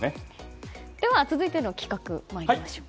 では、続いての企画参りましょう。